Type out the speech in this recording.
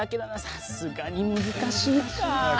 さすがに難しいか。